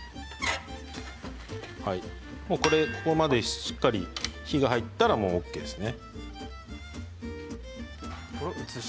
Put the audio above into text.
ここまでしっかり火が入ったらＯＫですね。